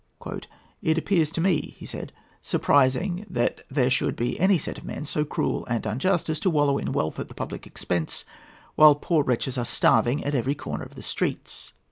"It appears to me," he said, "surprising that there should be any set of men so cruel and unjust as to wallow in wealth at the public expense while poor wretches are starving at every corner of the streets."